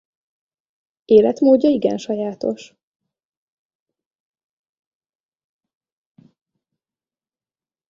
Életmódja igen sajátos.